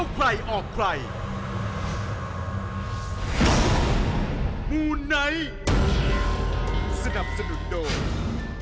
สนับสนุนโดย